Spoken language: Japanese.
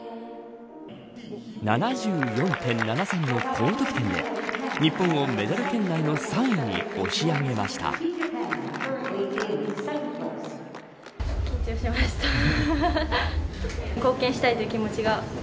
７４．７３の高得点で日本をメダル圏内の３位に押し上げました。